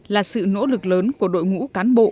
là sự nỗ lực lớn của đội ngũ cán bộ